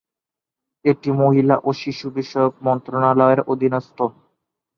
এটি মহিলা ও শিশু বিষয়ক মন্ত্রণালয়ের অধীনস্থ।